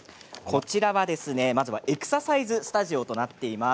こちらはエクササイズスタジオとなっています。